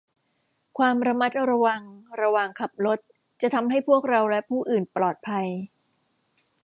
ความระมัดระวังระหว่างขับรถจะทำให้พวกเราและผู้อื่นปลอดภัย